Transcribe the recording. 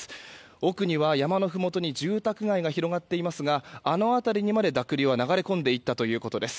奥には山のふもとに住宅街が広がっていますがあの辺りにまで濁流は流れ込んでいったということです。